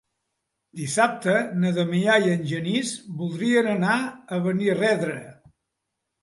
Dissabte na Damià i en Genís voldrien anar a Benirredrà.